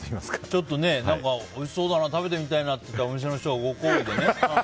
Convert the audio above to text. ちょっとね、おいしそうだな食べてみたいなって言ったらお店の人がご厚意でね。